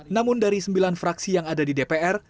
namun dari sembilan fraksi yang ada di dpr